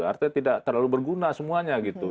artinya tidak terlalu berguna semuanya gitu